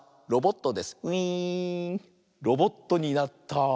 ロボットになった。